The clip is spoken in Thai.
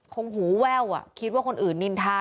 หูแว่วคิดว่าคนอื่นนินทา